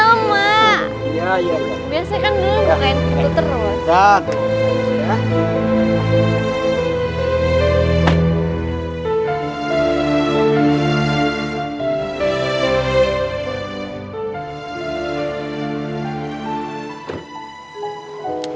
biasanya kan dulu bukain pintu terus